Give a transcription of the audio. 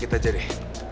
kita aja deh